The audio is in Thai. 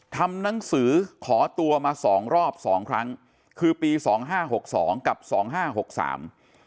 ทำหนังสือขอตัวมาสองรอบสองครั้งคือปีสองห้าหกสองกับสองห้าหกสาม